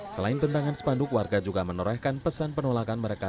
selain tentangan spanduk warga juga menorehkan pesan penolakan mereka